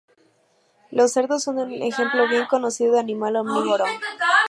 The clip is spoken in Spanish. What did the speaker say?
Los cerdos son un ejemplo bien conocido de animal omnívoro.